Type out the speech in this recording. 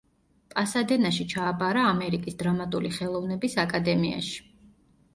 პასადენაში ჩააბარა ამერიკის დრამატული ხელოვნების აკადემიაში.